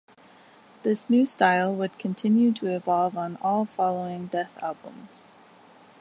This new style would continue to evolve on all following Death albums.